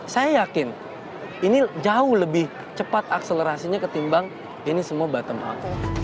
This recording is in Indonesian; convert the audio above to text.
saya yakin ini jauh lebih cepat akselerasinya ketimbang ini semua bottom up